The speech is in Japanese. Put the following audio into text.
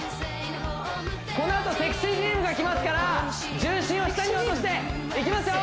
このあとＳＥＸＹビームがきますから重心を下に落としていきますよ